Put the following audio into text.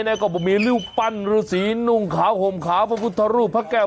แล้วก็มีรูปปั้นฤษีนุ่งขาวห่มขาวพระพุทธรูปพระแก้ว